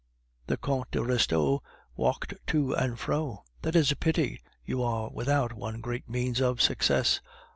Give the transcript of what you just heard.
The Comte de Restaud walked to and fro. "That is a pity; you are without one great means of success.